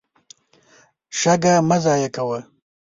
شګه مه ضایع کوه.